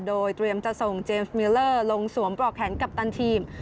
โดยเตรียมจะส่งเจมส์มิลเลอร์ลงสวมปลอกแขนกัปตันทีม